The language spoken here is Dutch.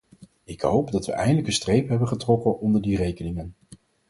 Ik hoop dat we eindelijk een streep hebben getrokken onder die rekeningen.